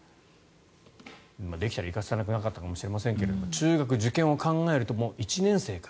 できたら行かせたくなかったのかもしれませんが中学受験を考えるともう１年生から。